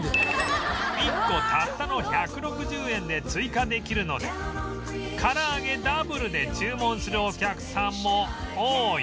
１個たったの１６０円で追加できるので唐揚げダブルで注文するお客さんも多い